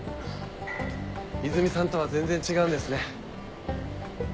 イズミさんとは全然違うんですね。